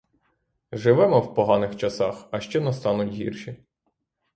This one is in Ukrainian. Живемо в поганих часах, а ще настануть гірші.